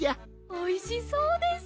おいしそうです！